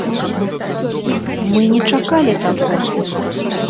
Мы не чакалі такога!